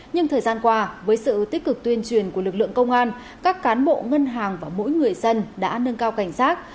nhưng thời gian qua với sự tích cực tuyên truyền của lực lượng công an các cán bộ ngân hàng và mỗi người dân đã nâng cao cảnh giác